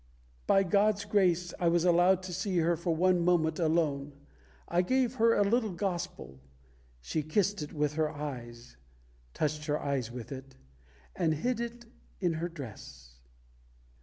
By God's grace I was allowed to see her for one moment alone. I gave her a little Gospel. She kissed it with her eyes" (touched her eyes with it), "and hid it in her dress."